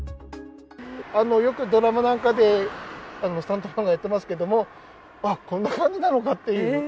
よくドラマなんかでスタントマンがやってますけども、あっ、こんな感じなのかっていう。